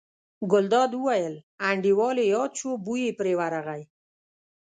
ګلداد وویل: انډیوال یې یاد شو، بوی یې پرې ورغی.